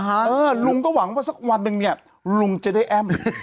เออลุงก็หวังว่าสักวันหนึ่งเนี่ยลุงจะได้แอ้ม